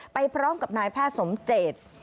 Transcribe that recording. ไปพร้อมกับนายแพทย์สมเจต